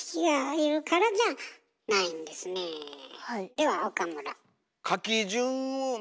では岡村。